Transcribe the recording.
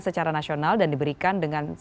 secara nasional dan diberikan dengan